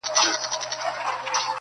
په لغتو مه څیره د خره پالانه!.